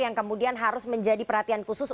yang kemudian harus menjadi perhatian khusus